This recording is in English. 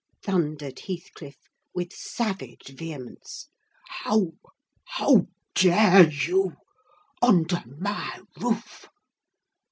_" thundered Heathcliff with savage vehemence. "How—how dare you, under my roof?